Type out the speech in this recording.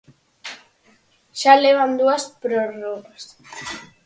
Xa levan dúas prórrogas.